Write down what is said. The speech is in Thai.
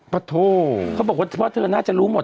พะโธพ่อบอกว่าเพราะว่าเธอน่าจะรู้หมด